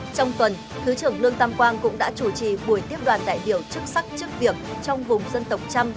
trong tuần thứ trưởng lương tam quang cũng đã chủ trì buổi tiếp đoàn đại biểu chức sắc chức việc trong vùng dân tộc trăm